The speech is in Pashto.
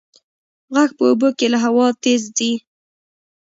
غږ په اوبو کې له هوا تېز ځي.